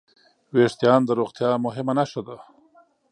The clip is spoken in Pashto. وېښتيان د روغتیا مهمه نښه ده.